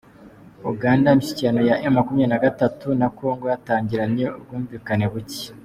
Uganda Imishyikirano ya emu makumyabiri nagatatu na kongo yatangiranye ubwumvikane buke